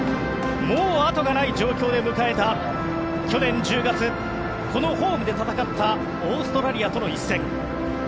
もう後がない状況で迎えた去年１０月、このホームで戦ったオーストラリアとの一戦。